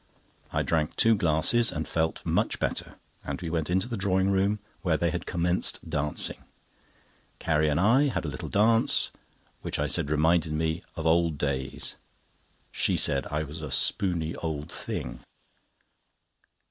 I drank two glasses, and felt much better, and we went into the drawing room, where they had commenced dancing. Carrie and I had a little dance, which I said reminded me of old days. She said I was a spooney old thing.